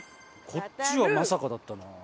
こっちはまさかだったな。